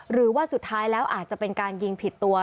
หรือว่าสุดท้ายแล้วอาจจะเป็นการยิงผิดตัว